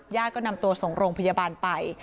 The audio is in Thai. ก็นำตัวส่งโรงพยาบาลไป